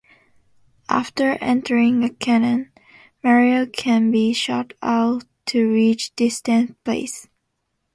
After entering a cannon, Mario can be shot out to reach distant places.